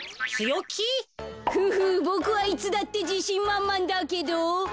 フフボクはいつだってじしんまんまんだけどなにか？